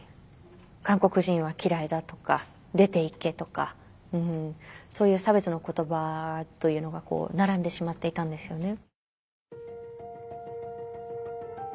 「韓国人は嫌いだ」とか「出ていけ」とかそういう差別の言葉というのが並んでしまっていたんですよね。